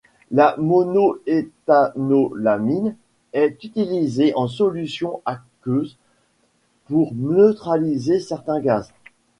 La monoéthanolamine est utilisée en solution aqueuse pour neutraliser certains gaz.